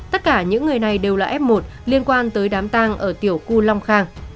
tất cả những người này đều là f một liên quan tới đám tang ở tiểu khu long khang